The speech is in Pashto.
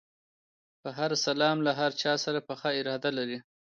په هر سلام له هر چا سره پخه اراده لري.